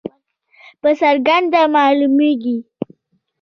په څرګنده معلومیږي.